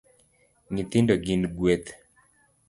Nyithindo gin gweth